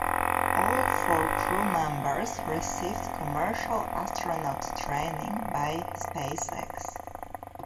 All four crew members received commercial astronaut training by SpaceX.